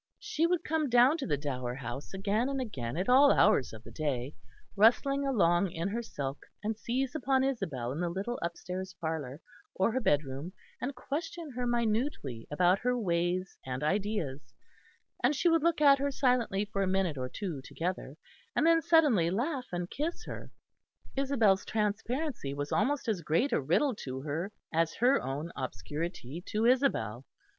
She would come down to the Dower House again and again at all hours of the day, rustling along in her silk, and seize upon Isabel in the little upstairs parlour, or her bedroom, and question her minutely about her ways and ideas; and she would look at her silently for a minute or two together; and then suddenly laugh and kiss her Isabel's transparency was almost as great a riddle to her as her own obscurity to Isabel.